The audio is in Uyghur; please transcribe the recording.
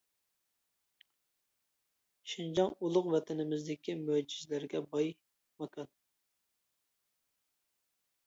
شىنجاڭ ئۇلۇغ ۋەتىنىمىزدىكى مۆجىزىلەرگە باي ماكان.